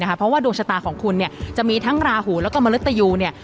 เพราะว่าดวงชะตาของคุณเนี่ยจะมีทั้งราหูแล้วก็มนุษยูเนี่ย